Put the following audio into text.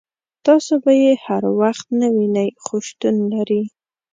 تاسو به یې هر وخت نه وینئ خو شتون لري.